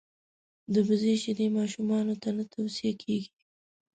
دبزې شیدي ماشومانوته نه تو صیه کیږي.